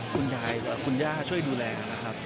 คุณย่าช่วยดูแลนะครับ